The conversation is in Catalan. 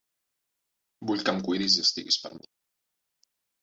Vull que em cuidis i estiguis per mi.